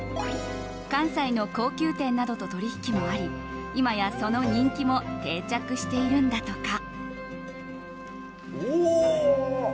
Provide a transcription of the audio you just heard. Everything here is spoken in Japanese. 関西の高級店などと取引もあり今やその人気も定着しているんだとか。